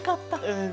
うん。